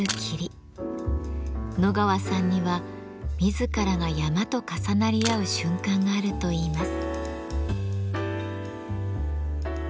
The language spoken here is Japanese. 野川さんには自らが山と重なり合う瞬間があるといいます。